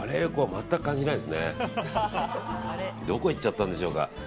どこいっちゃったんでしょうか。